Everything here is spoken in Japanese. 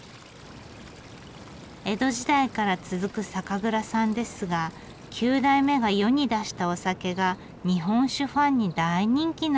江戸時代から続く酒蔵さんですが九代目が世に出したお酒が日本酒ファンに大人気なんだとか。